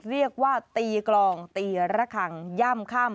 เรียกว่าตีกลองตีระคังย่ำค่ำ